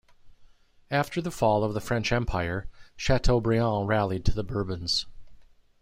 After the fall of the French Empire, Chateaubriand rallied to the Bourbons.